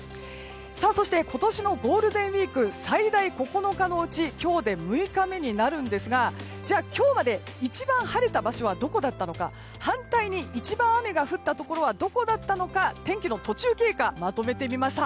そして今年のゴールデンウィーク最大９日のうち今日で６日目になるんですがじゃあ、今日で一番晴れた場所はどこだったのか反対に一番雨が降ったところはどこだったのか天気の途中経過をまとめてみました。